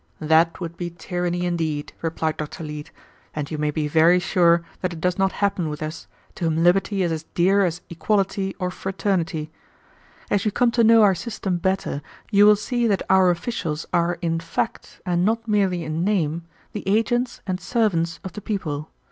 "That would be tyranny indeed," replied Dr. Leete, "and you may be very sure that it does not happen with us, to whom liberty is as dear as equality or fraternity. As you come to know our system better, you will see that our officials are in fact, and not merely in name, the agents and servants of the people.